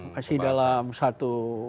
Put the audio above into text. masih dalam satu